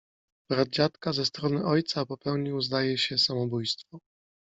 Brat dziadka ze strony ojca popełnił, zdaje się, samobójstwo.